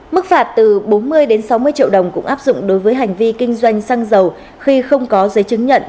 mức phạt từ bốn mươi sáu mươi triệu đồng cũng áp dụng đối với hành vi kinh doanh xăng dầu khi không có giấy chứng nhận